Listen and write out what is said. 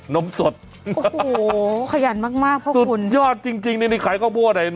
น้ำสดโอ้โหขยันมากมากพ่อคุณสุดยอดจริงจริงเนี่ยในนี้ขายข้าวโพดเห็นไหม